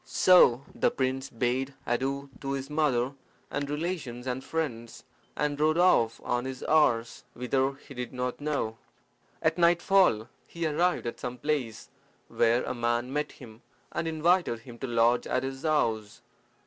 So the prince bade adieu to his mother and relations and friends, and rode off on his horse, whither he did not know. At nightfall he arrived at some place, where a man met him, and invited him to lodge at his house.